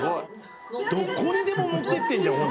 どこにでも持ってってんじゃん